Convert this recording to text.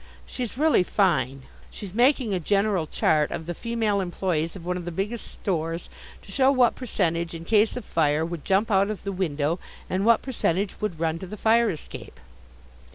She's really fine. She's making a general chart of the female employes of one of the biggest stores to show what percentage in case of fire would jump out of the window and what percentage would run to the fire escape."